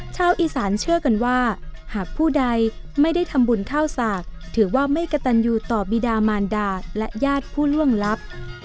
ชาวอีสานเชื่อกันว่าหากผู้ใดไม่ได้ทำบุญข้าวสากถือว่าไม่กระตันอยู่ต่อบีดามานดาและญาติผู้ล่วงลับ